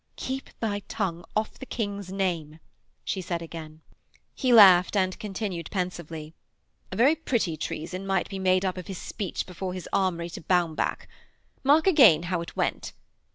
'Keep thy tongue off the King's name,' she said again. He laughed, and continued pensively: 'A very pretty treason might be made up of his speech before his armoury to Baumbach. Mark again how it went.